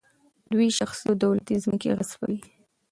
دوی شخصي او دولتي ځمکې غصبوي.